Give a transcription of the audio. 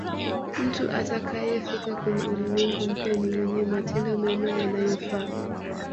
mtu atakayefika kwenye ulimwengu mpya ni mwenye matendo mema yanayofaa